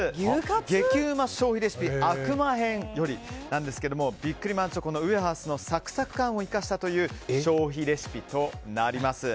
「激うま消費レシピ悪魔編」よりビックリマンチョコのウエハースのサクサク感を生かしたという消費レシピとなります。